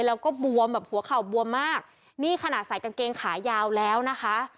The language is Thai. แล้วก็บวมแบบหัวเข่าบวมมากนี่ขนาดใส่กางเกงขายาวแล้วนะคะ